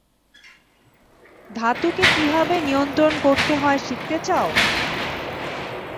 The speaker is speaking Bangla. ধাতুকে কীভাবে নিয়ন্ত্রণ করতে হয় শিখতে চাও?